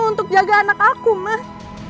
untuk jaga anak aku mas